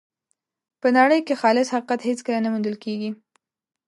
په نړۍ کې خالص حقیقت هېڅکله نه موندل کېږي.